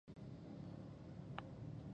لوى لوى جوماتونه وو.